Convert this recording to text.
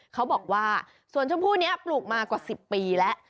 เขาบอกว่าสวนชมพู่นี้ปลูกมากว่า๑๐ปีแล้ว